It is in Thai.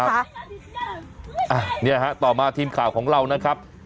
เนี่ยฮะต่อมาทีมข่าวของเรานะครับ